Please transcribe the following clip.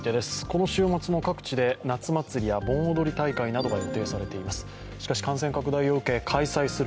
この週末も各地で夏祭りや盆踊り大会が予定されています。